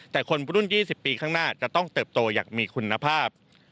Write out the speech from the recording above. แต่คนรุ่น๒๐ปีข้างหน้าจะต้องเติบโตอย่างมีคุณภาพ